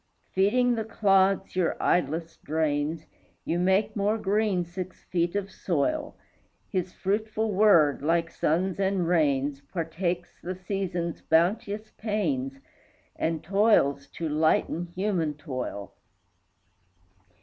Feeding the clods your idlesse drains, You make more green six feet of soil; His fruitful word, like suns and rains, Partakes the seasons' bounteous pains, And toils to lighten human toil.